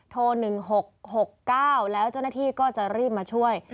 โทร๑๖๖๙แล้วเจ้าหน้าที่ก็จะรีบมาช่วย